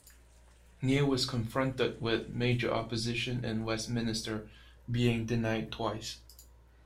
Neal was confronted with major opposition in Westminster, being denied twice.